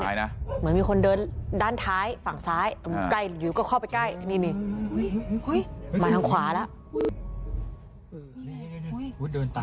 เหมือนมีคนเดินด้านท้ายฝั่งซ้ายใกล้อยู่ก็เข้าไปใกล้นี่มาทางขวาแล้ว